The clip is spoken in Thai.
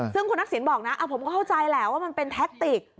ซึ่งคุณทักษิณบอกนะผมก็เข้าใจแหละว่ามันเป็นแท็กติก